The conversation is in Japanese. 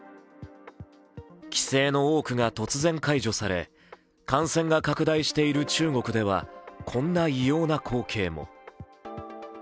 規制の多くが突然解除され、感染が拡大している中国ではこんな異様な光景も。